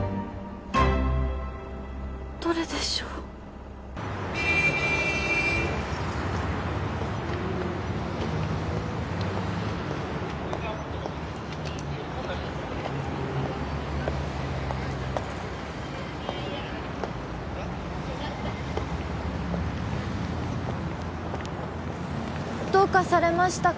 どれでしょうどうかされましたか？